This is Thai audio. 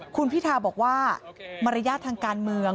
คุณพิทาบอกว่ามารยาททางการเมือง